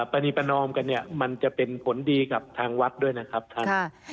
ปณีประนอมกันเนี่ยมันจะเป็นผลดีกับทางวัดด้วยนะครับท่าน